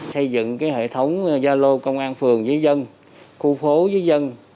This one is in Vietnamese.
xây dựng cái hệ thống zalo công an phường với dân khu phố với dân